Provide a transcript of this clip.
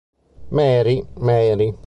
Mary, Mary